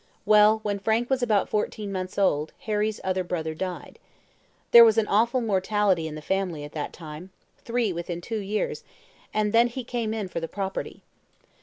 Well, when Frank was about fourteen months old, Harry's other brother died. There was an awful mortality in the family at that time three within two years; and then he came in for the property.